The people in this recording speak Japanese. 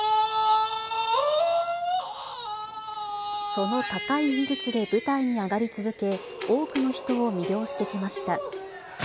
その高い技術で、舞台に上がり続け、多くの人を魅了してきました。